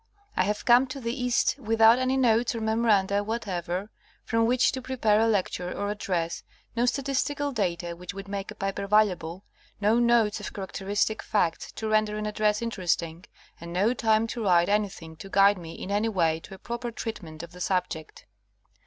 I have come to the east with out any notes or memoranda whatever, from which to jarepare a lecture or address, no statistical data which would make a paper valuable, no notes of characteristic facts to render an address interesting, and no time to write anything to guide me in any way to a proper treatment of the subject.